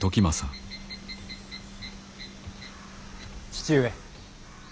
父上。